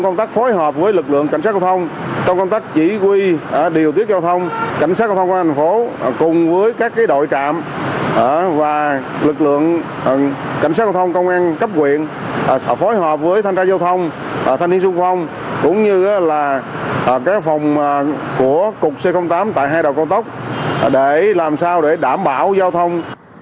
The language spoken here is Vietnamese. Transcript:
cảnh sát giao thông thành phố cùng với các đội trạm và lực lượng cảnh sát giao thông công an cấp quyền phối hợp với thanh tra giao thông thanh niên xung phong cũng như là các phòng của cục c tám tại hai đầu cao tốc để làm sao để đảm bảo giao thông